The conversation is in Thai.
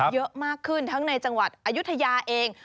เยอะมากขึ้นทั้งในจังหวัดอายุทยาเอง